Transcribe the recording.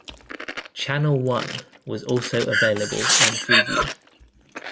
Channel One, was also available on Freeview.